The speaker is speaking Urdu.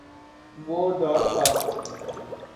وہ دور تھا۔